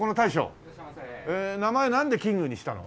名前なんできんぐにしたの？